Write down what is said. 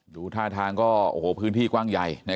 ดูท่าทางก็โอ้โหพื้นที่กว้างใหญ่